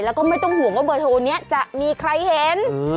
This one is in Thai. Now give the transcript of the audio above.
แล้วก็ไม่ต้องห่วงว่าเบอร์โทรนี้จะมีใครเห็น